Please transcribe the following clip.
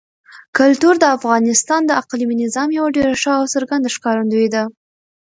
کلتور د افغانستان د اقلیمي نظام یوه ډېره ښه او څرګنده ښکارندوی ده.